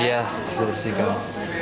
iya sudah dibersihkan